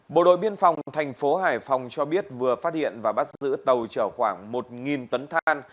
bộ đội biên phòng thành phố hải phòng cho biết vừa phát hiện và bắt giữ tàu chở khoảng một tấn than